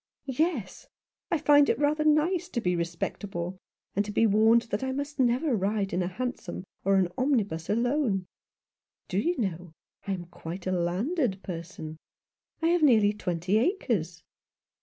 " Yes ; I find it rather nice to be respectable, and to be warned that I must never ride in a hansom or an omnibus alone. Do you know that I am quite a landed person ? I have nearly twenty acres."